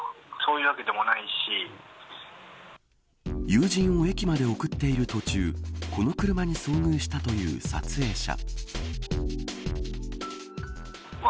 友人を駅まで送っている途中この車に遭遇したという撮影者。